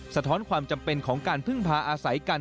สะท้อนความจำเป็นของการพึ่งพาอาศัยกัน